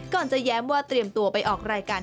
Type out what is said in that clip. จะแย้มว่าเตรียมตัวไปออกรายการ